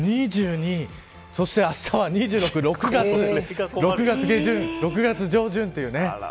そして、あしたは２６６月下旬、６月上旬というね。